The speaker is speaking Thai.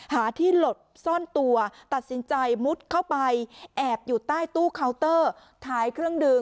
หาที่หลบซ่อนตัวตัดสินใจมุดเข้าไปแอบอยู่ใต้ตู้เคาน์เตอร์ขายเครื่องดื่ม